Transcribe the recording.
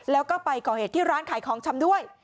แล้วก็ไปก่อเหตุที่ร้านขายของชำด้วย